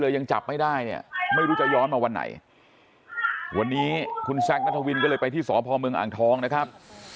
ยังจับไม่ได้เนี่ยไม่รู้จะย้อนมาวันไหนวันนี้คุณแซคนัทวินก็เลยไปที่สพเมืองอ่างทองนะครับ